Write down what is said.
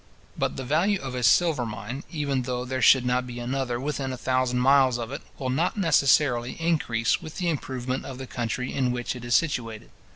But the value of a silver mine, even though there should not be another within a thousand miles of it, will not necessarily increase with the improvement of the country in which it is situated.